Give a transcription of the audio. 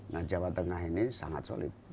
nah jawa tengah ini sangat solid